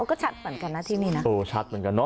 ก็ชัดเหมือนกันน่ะที่นี้นะ